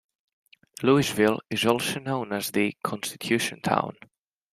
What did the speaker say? Louisville is also known as the "Constitution Town".